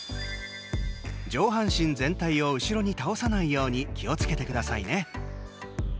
上半身全体を後ろに倒さないように気をつけてくださいね。